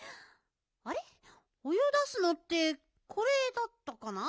お湯出すのってこれだったかな？